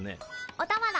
おたまだ。